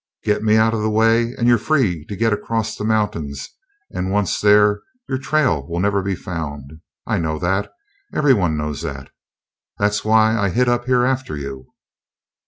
"Get me out of the way, and you're free to get across the mountains, and, once there, your trail will never be found. I know that; every one knows that. That's why I hit up here after you."